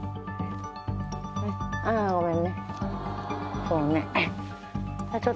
ああごめんね。